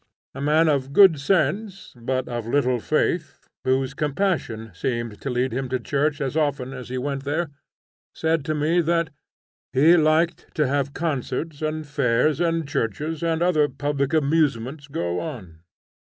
A man of good sense but of little faith, whose compassion seemed to lead him to church as often as he went there, said to me that "he liked to have concerts, and fairs, and churches, and other public amusements go on."